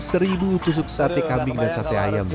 seribu tusuk sate kambing dan sate ayam